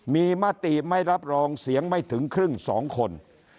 มีมติไม่รับรองเสียงไม่ถึงครึ่ง๒คน